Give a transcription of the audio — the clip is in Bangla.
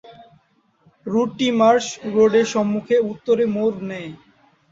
রুটটি মার্স রোড সম্মুখে উত্তরে মোড় নেয়।